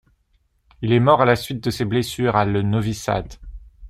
Il est mort à la suite de ses blessures le à Novi Sad.